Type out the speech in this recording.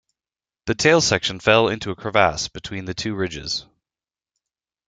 The tail section fell into a crevasse between the two ridges.